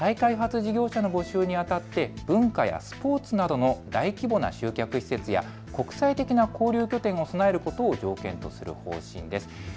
東京都は再開発事業者の募集にあたって文化やスポーツなどの大規模な集客施設や国際的な交流拠点を備えることを条件とする方針です。